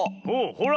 ほら。